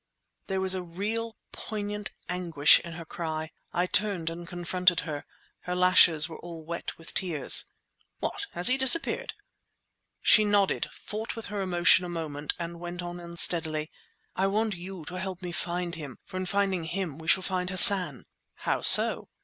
There was real, poignant anguish in her cry. I turned and confronted her. Her lashes were all wet with tears. "What! has he disappeared?" She nodded, fought with her emotion a moment, and went on unsteadily, "I want you to help me to find him for in finding him we shall find Hassan!" "How so?"